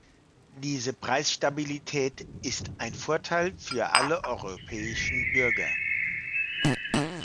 Diese Preisstabilität ist ein Vorteil für alle europäischen Bürger.